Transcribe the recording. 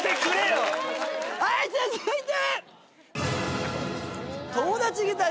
はいじゃあ続いて。